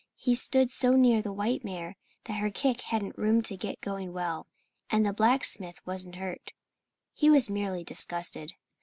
He stood so near the white mare that her kick hadn't room to get going well. And the blacksmith wasn't hurt. He was merely disgusted.